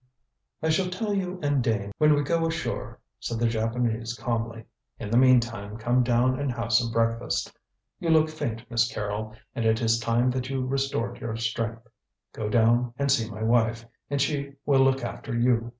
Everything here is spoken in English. "I shall tell you and Dane when we go ashore," said the Japanese calmly; "in the meantime come down and have some breakfast. You look faint, Miss Carrol, and it is time that you restored your strength. Go down and see my wife, and she will look after you."